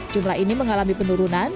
jumlah ini mengalami penurunan